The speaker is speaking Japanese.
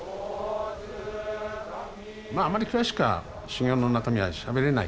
まああまり詳しくは修行の中身はしゃべれない。